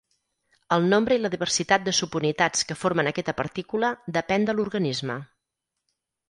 El nombre i la diversitat de subunitats que formen aquesta partícula depèn de l'organisme.